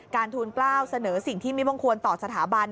ทูลกล้าวเสนอสิ่งที่ไม่มงควรต่อสถาบัน